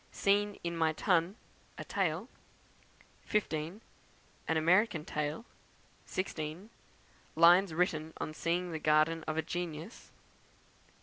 Scene in my Tun, a Tale; 15. An American Tale; 16. Lines written on seeing the Garden of a Genius; 17.